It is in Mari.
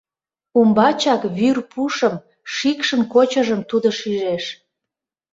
Умбачак вӱр пушым, шикшын кочыжым тудо шижеш.